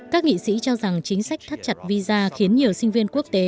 các nghị sĩ cho rằng chính sách thắt chặt visa khiến nhiều sinh viên quốc tế